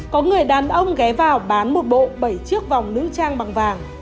có người đàn ông ghé vào bán một bộ bảy chiếc vòng nữ trang bằng vàng